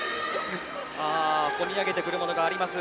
込み上げてくるものがあります